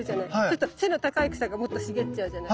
すると背の高い草がもっと茂っちゃうじゃない。